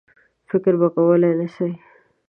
فکر به کولای نه سي.